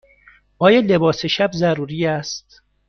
آیا لباس شب ضروری است؟